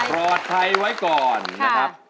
รอใครไว้ก่อนนะครับ